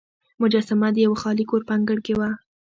مجسمه د یوه خالي کور په انګړ کې وه.